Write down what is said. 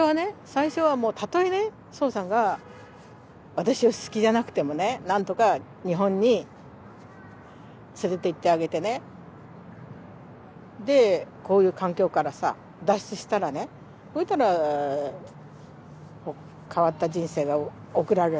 最初はたとえね荘さんが私を好きじゃなくてもねなんとか日本に連れて行ってあげてねでこういう環境からさ脱出したらねそしたら変わった人生が送られると。